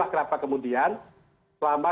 kenapa kemudian selama